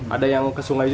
ada yang ke sungai juga